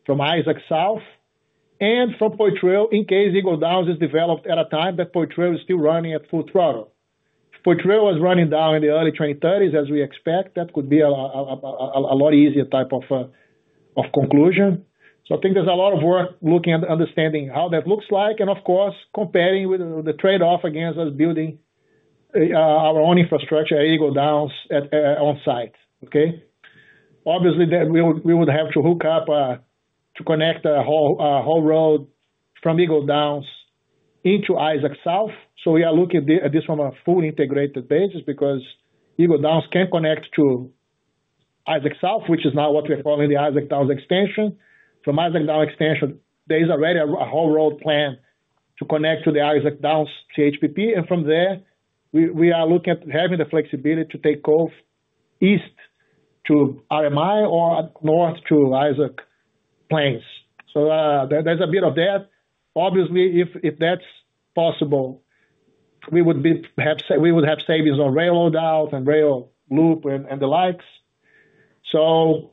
from Isaac South, and from Poitrel in case Eagle Downs is developed at a time that Poitrel is still running at full throttle. If Poitrel was running down in the early 2030s, as we expect, that could be a lot easier type of conclusion. So I think there's a lot of work looking at understanding how that looks like and, of course, comparing with the trade-off against us building our own infrastructure at Eagle Downs on site, okay? Obviously, we would have to hook up to connect a haul road from Eagle Downs into Isaac South. So we are looking at this from a fully integrated basis because Eagle Downs can connect to Isaac South, which is now what we're calling the Isaac Downs Extension. From Isaac Downs Extension, there is already a haul road plan to connect to the Isaac Downs CHPP. And from there, we are looking at having the flexibility to take off east to RMI or north to Isaac Plains. So there's a bit of that. Obviously, if that's possible, we would have savings on rail load out and rail loop and the likes. So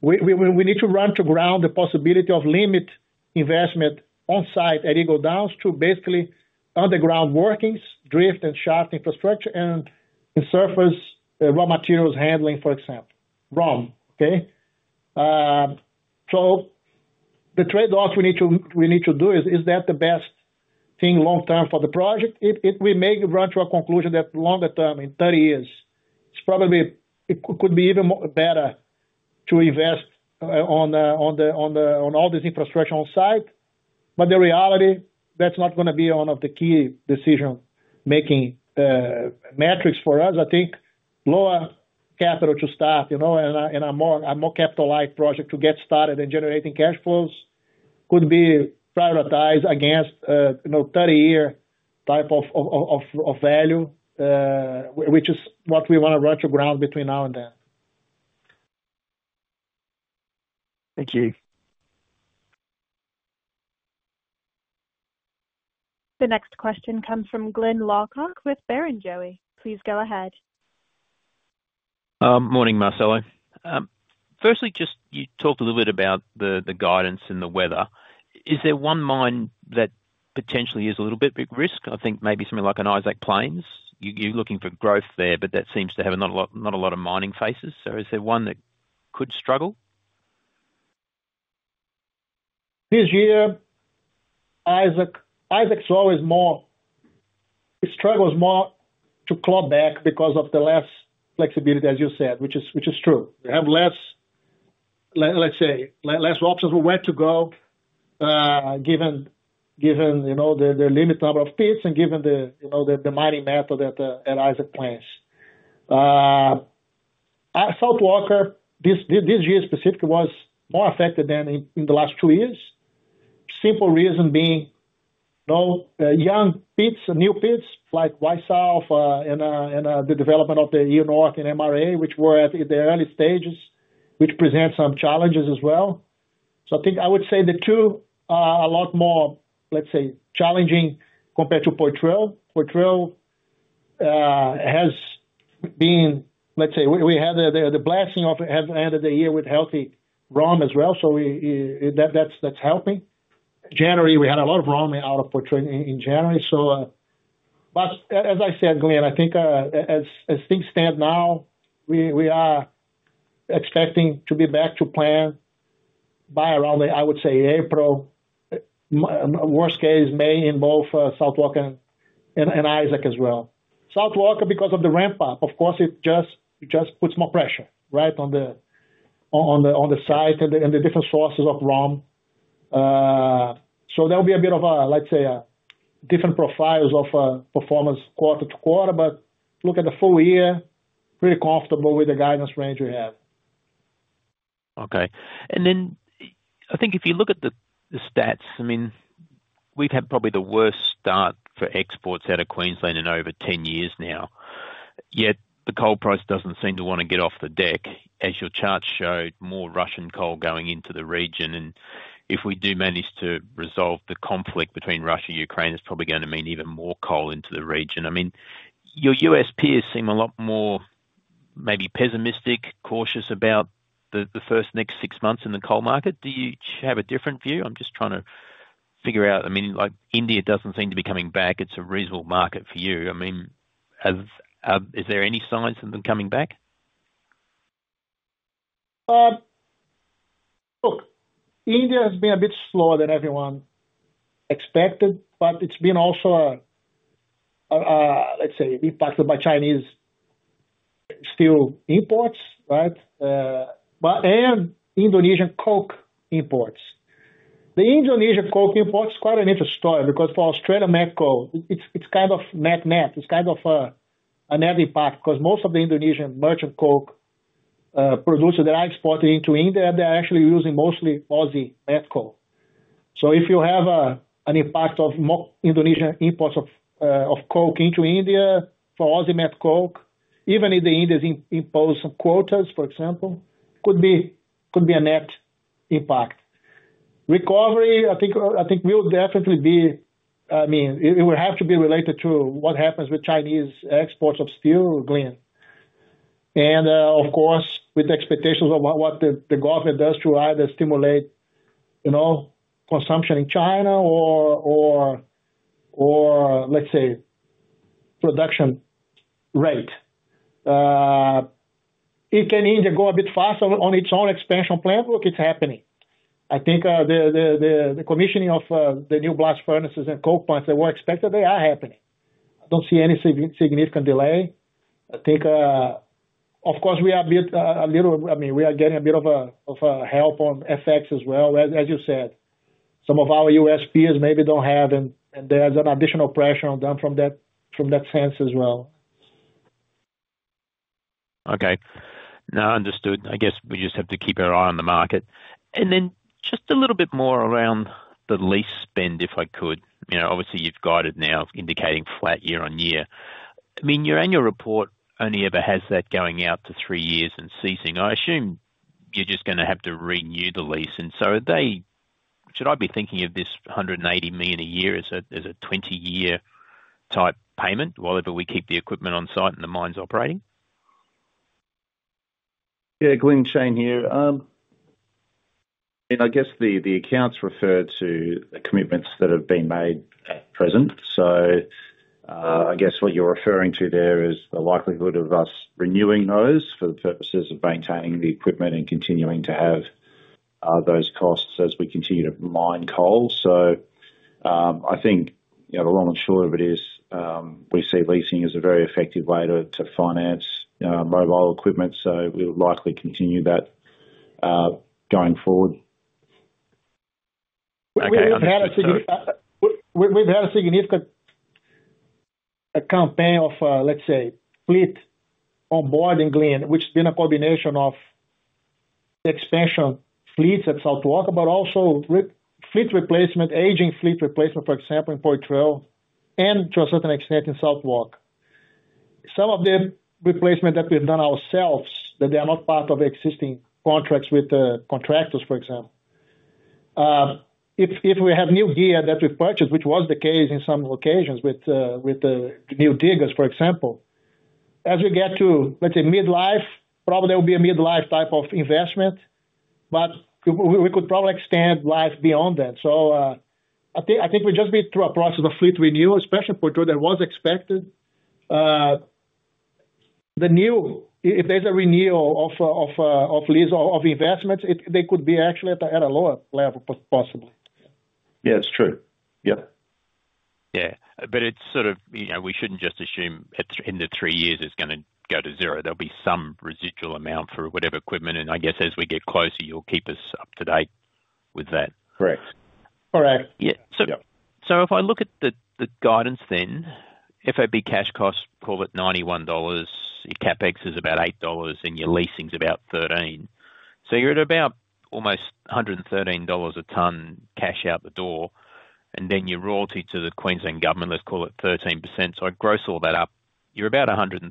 we need to run to ground the possibility of limited investment on site at Eagle Downs to basically underground workings, drift and shaft infrastructure, and surface raw materials handling, for example. ROM, okay? So the trade-off we need to do, is that the best thing long-term for the project? We may run to a conclusion that longer term, in 30 years, it could be even better to invest on all this infrastructure on site. But the reality, that's not going to be one of the key decision-making metrics for us. I think lower capital to start and a more capital-like project to get started in generating cash flows could be prioritized against 30-year type of value, which is what we want to run to ground between now and then. Thank you. The next question comes from Glyn Lawcock with Barrenjoey. Please go ahead. Morning, Marcelo. Firstly, just you talked a little bit about the guidance and the weather. Is there one mine that potentially is a little bit at risk? I think maybe something like an Isaac Plains. You're looking for growth there, but that seems to have not a lot of mining faces. So is there one that could struggle? This year, Isaac's always more it struggles more to claw back because of the less flexibility, as you said, which is true. We have less, let's say, less options for where to go given the limited number of pits and given the mining method at Isaac Plains. South Walker, this year specifically, was more affected than in the last two years. Simple reason being young pits, new pits like Y South and the development of the E-North in MRA, which were at the early stages, which present some challenges as well, so I think I would say the two are a lot more, let's say, challenging compared to Poitrel. Poitrel has been, let's say, we had the blessing of end of the year with healthy ROM as well, so that's helping. January, we had a lot of ROM out of Poitrel in January, but as I said, Glyn, I think as things stand now, we are expecting to be back to plan by around, I would say, April. Worst case may involve South Walker and Isaac as well. South Walker, because of the ramp-up, of course, it just puts more pressure, right, on the site and the different sources of ROM. So there'll be a bit of, let's say, different profiles of performance quarter to quarter, but look at the full year, pretty comfortable with the guidance range we have. Okay. And then I think if you look at the stats, I mean, we've had probably the worst start for exports out of Queensland in over 10 years now. Yet the coal price doesn't seem to want to get off the deck, as your chart showed more Russian coal going into the region. And if we do manage to resolve the conflict between Russia and Ukraine, it's probably going to mean even more coal into the region. I mean, your U.S. peers seem a lot more maybe pessimistic, cautious about the first next six months in the coal market. Do you have a different view? I'm just trying to figure out. I mean, India doesn't seem to be coming back. It's a reasonable market for you. I mean, is there any signs of them coming back? Look, India has been a bit slower than everyone expected, but it's been also, let's say, impacted by Chinese steel imports, right, and Indonesian coke imports. The Indonesian coke imports is quite an interesting story because for Australian met coal, it's kind of net-net. It's kind of a net impact because most of the Indonesian merchant coke producers that are exporting into India, they're actually using mostly Aussie met coal. So if you have an impact of Indonesian imports of coke into India, for Aussie met coal, even if the Indians impose some quotas, for example, could be a net impact. Recovery, I think we'll definitely be—I mean, it will have to be related to what happens with Chinese exports of steel, Glyn. And of course, with the expectations of what the government does to either stimulate consumption in China or, let's say, production rate. It can either go a bit faster on its own expansion plan. Look, it's happening. I think the commissioning of the new blast furnaces and coal plants that were expected, they are happening. I don't see any significant delay. I think, of course, we are a bit, I mean, we are getting a bit of help on FX as well, as you said. Some of our U.S. peers maybe don't have it, and there's an additional pressure on them from that sense as well. Okay. No, understood. I guess we just have to keep our eye on the market. And then just a little bit more around the lease spend, if I could. Obviously, you've got it now indicating flat year on year. I mean, your annual report only ever has that going out to three years and ceasing. I assume you're just going to have to renew the lease. And so should I be thinking of this 180 million a year as a 20-year type payment whileever we keep the equipment on site and the mines operating? Glyn. Shane here. I mean, I guess the accounts refer to the commitments that have been made at present. So I guess what you're referring to there is the likelihood of us renewing those for the purposes of maintaining the equipment and continuing to have those costs as we continue to mine coal. So I think the long and short of it is we see leasing as a very effective way to finance mobile equipment, so we'll likely continue that going forward. Okay We've had a significant campaign of, let's say, fleet onboarding, Glyn, which has been a combination of expansion fleets at South Walker, but also fleet replacement, aging fleet replacement, for example, in Poitrel and to a certain extent in South Walker. Some of the replacement that we've done ourselves, that they are not part of existing contracts with the contractors, for example. If we have new gear that we've purchased, which was the case in some occasions with the new diggers, for example, as we get to, let's say, mid-life, probably there will be a mid-life type of investment, but we could probably extend life beyond that. So I think we just been through a process of fleet renewal, especially in Poitrel that was expected. If there's a renewal of investments, they could be actually at a lower level, possibly. But it's sort of we shouldn't just assume in the three years it's going to go to zero. There'll be some residual amount for whatever equipment. And I guess as we get closer, you'll keep us up to date with that So if I look at the guidance then, FOB cash costs, call it $91. Your CapEx is about $8, and your leasing's about $13. So you're at about almost $113 a ton cash out the door. And then your royalty to the Queensland government, let's call it 13%. So I gross all that up. You're about $130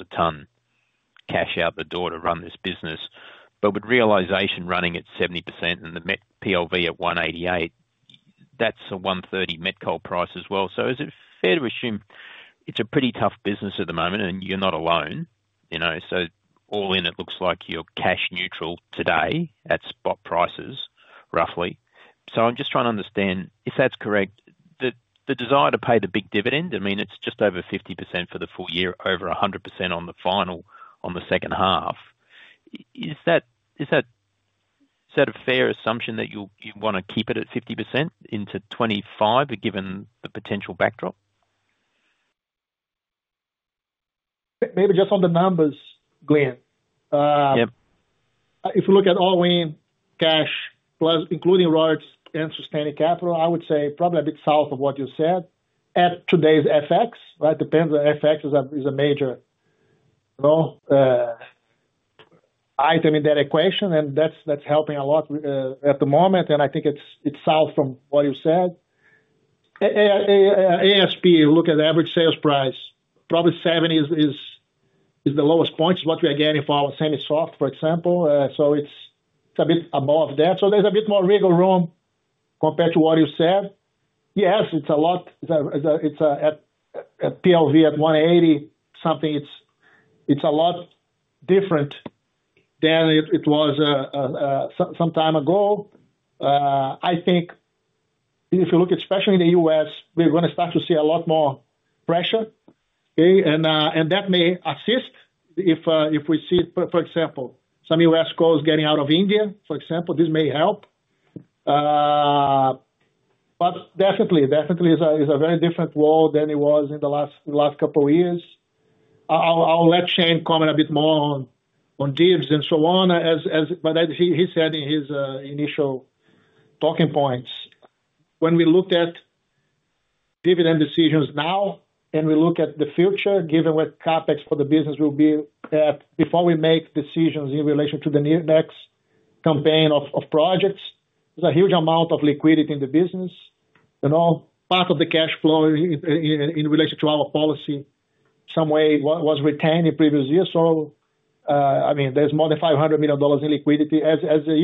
a ton cash out the door to run this business. But with realization running at 70% and the PLV at 188, that's a 130 met coal price as well. So is it fair to assume it's a pretty tough business at the moment, and you're not alone? So all in, it looks like you're cash neutral today at spot prices, roughly. So I'm just trying to understand, if that's correct, the desire to pay the big dividend. I mean, it's just over 50% for the full year, over 100% on the final on the second half. Is that a fair assumption that you want to keep it at 50% into 2025 given the potential backdrop? Maybe just on the numbers, Glyn. If we look at all in cash, including royalties and sustaining capital, I would say probably a bit south of what you said at today's FX, right? FX is a major item in that equation, and that's helping a lot at the moment. And I think it's south from what you said. ASP, look at average sales price. Probably 70 is the lowest point, is what we're getting for our semi-soft, for example. So it's a bit above that. So there's a bit more wiggle room compared to what you said. Yes, it's a lot. It's a PLV at 180-something. It's a lot different than it was some time ago. I think if you look at, especially in the U.S., we're going to start to see a lot more pressure, okay? And that may assist if we see, for example, some U.S. coals getting out of India, for example. This may help. But definitely, definitely is a very different world than it was in the last couple of years. I'll let Shane comment a bit more on divs and so on, but as he said in his initial talking points, when we look at dividend decisions now and we look at the future, given what CapEx for the business will be at before we make decisions in relation to the next campaign of projects, there's a huge amount of liquidity in the business. Part of the cash flow in relation to our policy somehow was retained in previous years. So I mean, there's more than 500 million dollars in liquidity, as you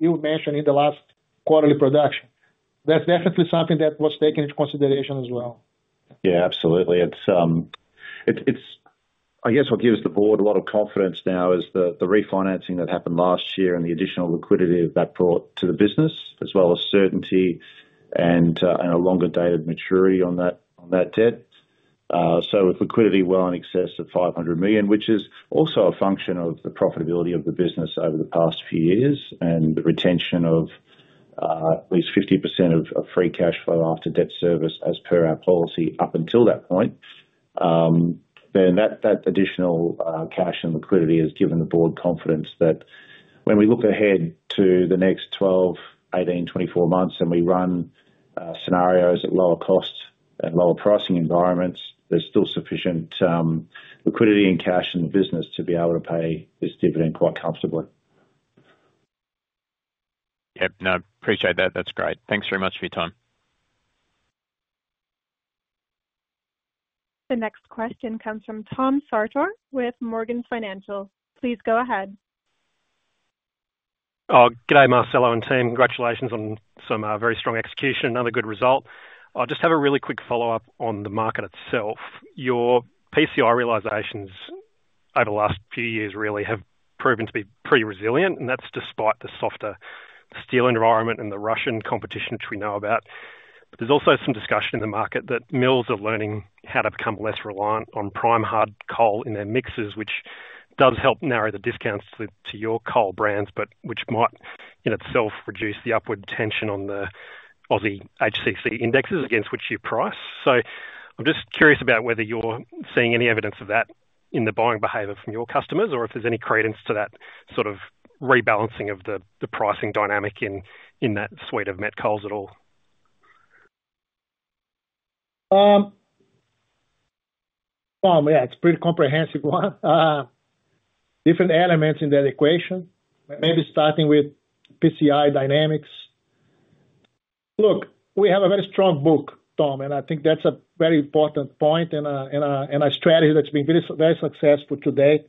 even mentioned in the last quarterly production. That's definitely something that was taken into consideration as well. Absolutely. I guess what gives the board a lot of confidence now is the refinancing that happened last year and the additional liquidity that brought to the business, as well as certainty and a longer dated maturity on that debt. So with liquidity well in excess of 500 million, which is also a function of the profitability of the business over the past few years and the retention of at least 50% of free cash flow after debt service as per our policy up until that point, then that additional cash and liquidity has given the board confidence that when we look ahead to the next 12, 18, 24 months and we run scenarios at lower cost and lower pricing environments, there's still sufficient liquidity and cash in the business to be able to pay this dividend quite comfortably. Yep. No, appreciate that. That's great. Thanks very much for your time. The next question comes from Tom Sartor with Morgans. Please go ahead. Oh, G'day, Marcelo and team. Congratulations on some very strong execution and another good result. I'll just have a really quick follow-up on the market itself. Your PCI realizations over the last few years really have proven to be pretty resilient, and that's despite the softer steel environment and the Russian competition which we know about. There's also some discussion in the market that mills are learning how to become less reliant on prime hard coal in their mixes, which does help narrow the discounts to your coal brands, but which might in itself reduce the upward tension on the Aussie HCC indexes against which you price. So I'm just curious about whether you're seeing any evidence of that in the buying behavior from your customers or if there's any credence to that sort of rebalancing of the pricing dynamic in that suite of met coals at all. Tom, it's a pretty comprehensive one. Different elements in that equation, maybe starting with PCI dynamics. Look, we have a very strong book, Tom, and I think that's a very important point and a strategy that's been very successful today.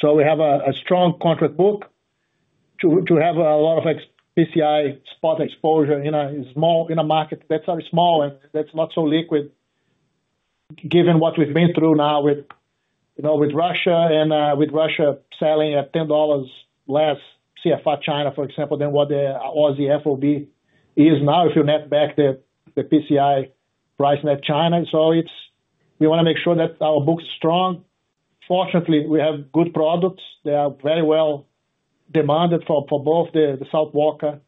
So we have a strong contract book to have a lot of PCI spot exposure in a market that's very small and that's not so liquid, given what we've been through now with Russia and with Russia selling at $10 less CFR China, for example, than what the Aussie FOB is now if you net back the PCI price net China. We want to make sure that our book is strong. Fortunately, we have good products. They are very well demanded for both the South Walker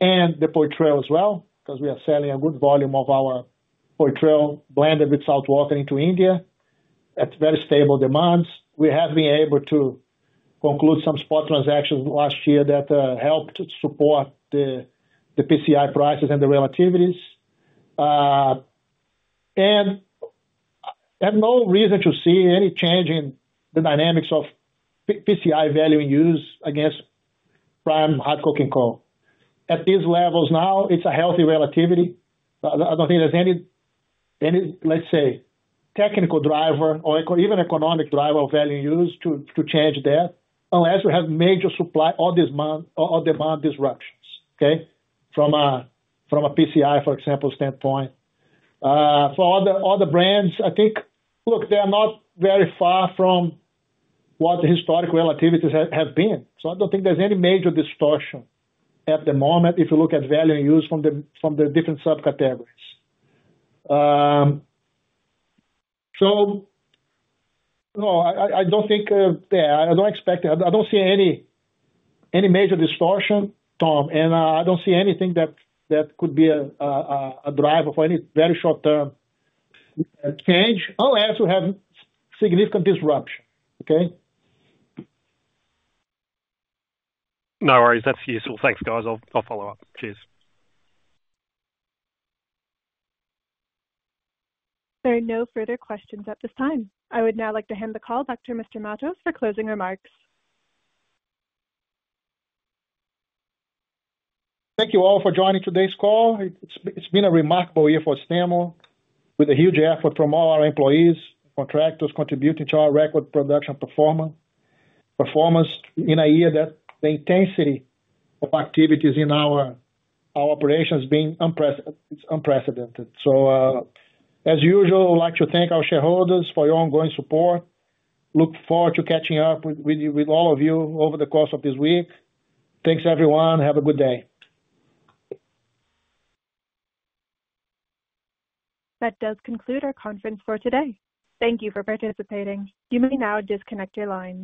and the Poitrel as well because we are selling a good volume of our Poitrel blended with South Walker into India. That's very stable demands. We have been able to conclude some spot transactions last year that helped support the PCI prices and the relativities. And I have no reason to see any change in the dynamics of PCI value in use against prime hard coking coal. At these levels now, it's a healthy relativity. I don't think there's any, let's say, technical driver or even economic driver of value in use to change that unless we have major supply or demand disruptions, okay, from a PCI, for example, standpoint. For other brands, I think, look, they are not very far from what the historical relativities have been. So I don't think there's any major distortion at the moment if you look at value in use from the different subcategories. So no, I don't think, I don't expect it. I don't see any major distortion, Tom, and I don't see anything that could be a driver for any very short-term change, unless we have significant disruption, okay? No worries. That's useful. Thanks, guys. I'll follow up. Cheers. There are no further questions at this time. I would now like to hand the call back to Mr. Matos for closing remarks. Thank you all for joining today's call. It's been a remarkable year for Stanmore, with a huge effort from all our employees, contractors contributing to our record production performance in a year that the intensity of activities in our operations has been unprecedented. So as usual, I'd like to thank our shareholders for your ongoing support. Look forward to catching up with all of you over the course of this week. Thanks, everyone. Have a good day. That does conclude our conference for today. Thank you for participating. You may now disconnect your line.